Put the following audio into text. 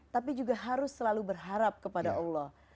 tapi juga harus selalu berharap kepada allah